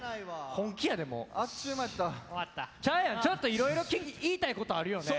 ちょっといろいろ言いたいことあるよね。